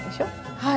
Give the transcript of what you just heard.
はい。